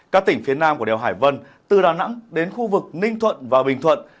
các tỉnh phía nam của đèo hải vân từ đà nẵng đến khu vực ninh thuận và bình thuận